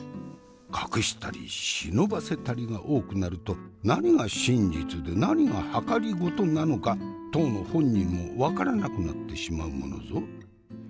隠したり忍ばせたりが多くなると何が真実で何がはかりごとなのか当の本人も分からなくなってしまうものぞ。